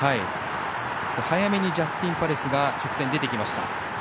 早めにジャスティンパレスが直線に出てきました。